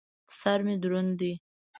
سر مې دروند دى.